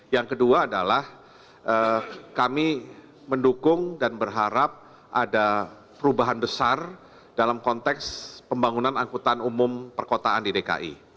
yang kedua adalah kami mendukung dan berharap ada perubahan besar dalam konteks pembangunan angkutan umum perkotaan di dki